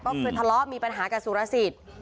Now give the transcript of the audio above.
ก็คือทะเลาะมีปัญหากับสุรสิทธิ์